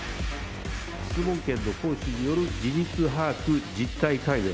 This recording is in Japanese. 質問権の行使による事実把握、実態解明。